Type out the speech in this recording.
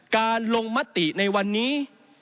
การลงมติในวันนี้